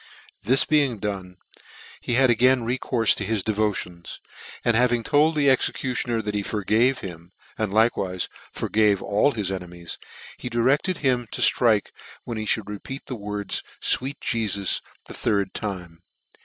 This being done, he had again recourfe to his devotions, and having told the executioner that he forgave him, and like wife forgave all his enemies, he directed him to ihike when he mould repeat the words " fweet " Jefus" the third time.